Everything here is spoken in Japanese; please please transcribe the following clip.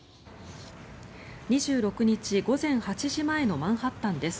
２６日午前８時前のマンハッタンです。